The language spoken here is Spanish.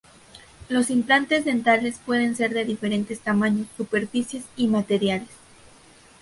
Los implantes dentales pueden ser de diferentes tamaños, superficies y materiales.